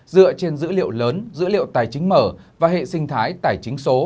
dựa trên dữ liệu lớn dữ liệu tài chính mở và hệ sinh thái tài chính số